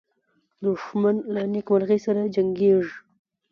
دښمن له نېکمرغۍ سره جنګیږي